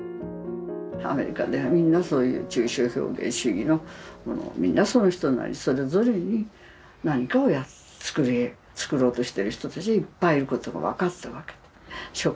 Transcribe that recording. アメリカではみんなそういう抽象表現主義のみんなその人なりそれぞれに何かを作ろうとしてる人たちがいっぱいいることが分かったわけで。